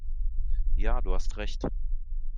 Ja, du hast ja Recht!